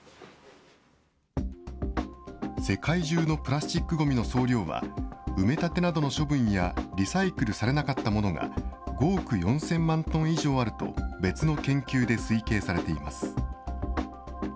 世界中のプラスチックごみの総量は、埋め立てなどの処分やリサイクルされなかったものが５億４０００万トン以上あると、別の研究で推計されています。